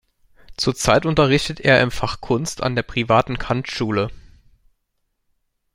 Zurzeit unterrichtet er im Fach Kunst an der Privaten Kant-Schule.